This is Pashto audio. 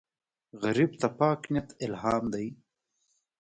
غریب ته پاک نیت الهام دی